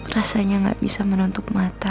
rasanya gak bisa menutup mata